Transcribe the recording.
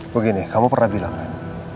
begini kamu pernah bilang kan